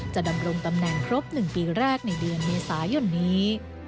ดำรงตำแหน่งครบ๑ปีแรกในเดือนเมษายนนี้